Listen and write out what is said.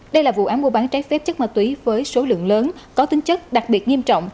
đây là vụ án mua bán trái phép chất ma túy với số lượng lớn có tính chất đặc biệt nghiêm trọng